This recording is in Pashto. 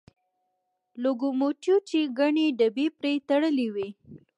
لوکوموتیو چې ګڼې ډبې پرې تړلې وې.